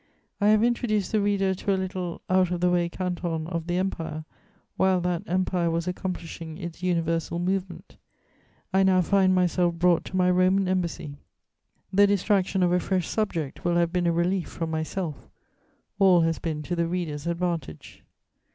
I have introduced the reader to a little "out of the way canton" of the Empire, while that Empire was accomplishing its universal movement; I now find myself brought to my Roman Embassy. The distraction of a fresh subject will have been a relief from myself: all has been to the reader's advantage.